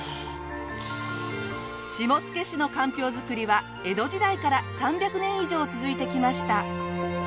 下野市のかんぴょう作りは江戸時代から３００年以上続いてきました。